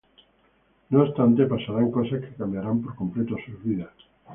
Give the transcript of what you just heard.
No obstante, pasarán cosas que cambiarán por completo sus vidas.